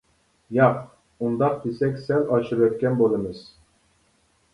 ياق، ئۇنداق دېسەك سەل ئاشۇرۇۋەتكەن بولىمىز.